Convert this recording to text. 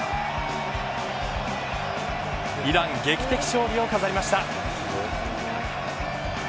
イラン、劇的勝利を飾りました。